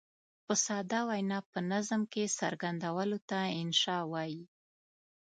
په ساده وینا په نظم کې څرګندولو ته انشأ وايي.